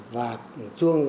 và chuông gieo